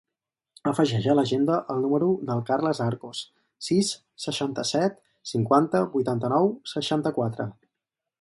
Afegeix a l'agenda el número del Carlos Arcos: sis, seixanta-set, cinquanta, vuitanta-nou, seixanta-quatre.